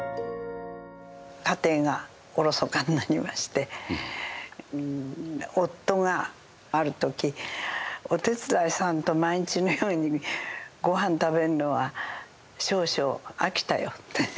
家庭がおろそかになりまして夫がある時「お手伝いさんと毎日のようにごはん食べるのは少々飽きたよ」って言われましてね。